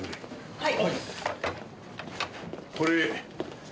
はい。